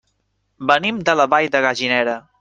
Venim de la Vall de Gallinera.